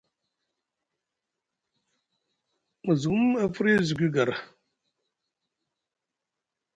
Musgum a firya zugi gara.